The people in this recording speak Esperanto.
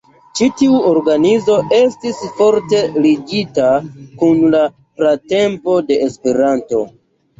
Ĉi tiu organizo estis forte ligita kun la pratempo de Esperanto.